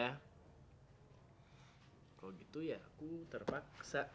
kalau gitu ya aku terpaksa